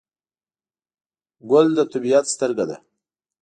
ګل د طبیعت سترګه ده.